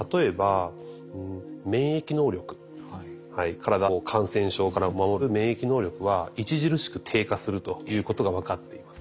体を感染症から守る免疫能力は著しく低下するということが分かっています。